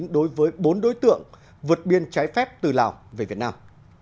đối với bốn đối tượng vượt biên trái phép từ lào về việt nam